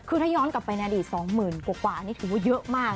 คือถ้าย้อนกลับไปในอดีต๒๐๐๐กว่านี่ถือว่าเยอะมาก